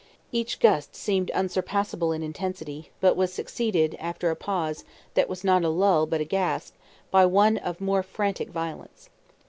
Each gust seemed unsurpassable in intensity, but was succeeded, after a pause, that was not a lull but a gasp, by one of more frantic violence.